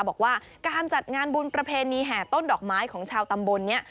บอกว่าการจัดงานบุญประเพณีแห่ต้นดอกไม้ของชาวตำบลนี้